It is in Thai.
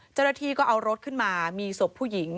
จรฐีก็เอารถขึ้นมามีศพผู้หญิง